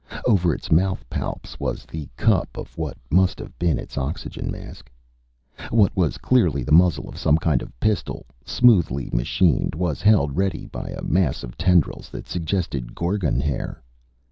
Over its mouth palps was the cup of what must have been its oxygen mask. What was clearly the muzzle of some kind of pistol, smoothly machined, was held ready by a mass of tendrils that suggested Gorgon hair.